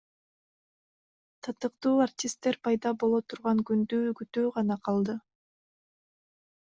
Татыктуу артисттер пайда боло турган күндү күтүү гана калды.